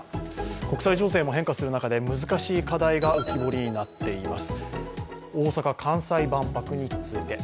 国際情勢も変化する中で、難しい課題が浮き彫りになっています。